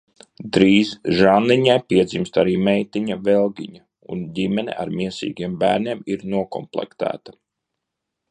Drīz Žanniņai piedzimst arī meitiņa Velgiņa, un ģimene ar miesīgiem bērniem ir nokomplektēta.